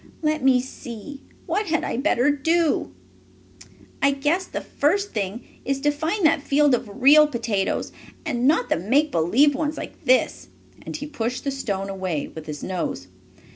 Let me see; what had I better do? I guess the first thing is to find that field of real potatoes, and not the make believe ones like this," and he pushed the stone away with his nose.